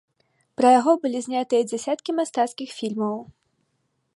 Пра яго былі знятыя дзясяткі мастацкіх фільмаў.